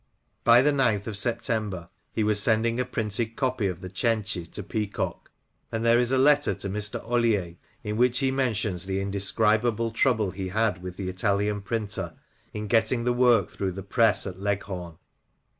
By the 9th of September he was sending a printed copy of Tfie Cenci to Peacock ; and there is a letter to Mr. Oilier in which he mentions the indescribable trouble he had with the Italian printer in getting the work through the press at Leghorn.